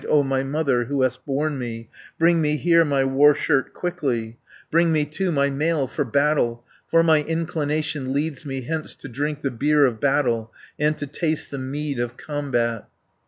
O my mother who hast borne me, Bring me here my war shirt quickly, 60 Bring me, too, my mail for battle, For my inclination leads me Hence to drink the beer of battle, And to taste the mead of combat."